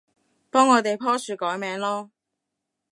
幫我哋棵樹改名囉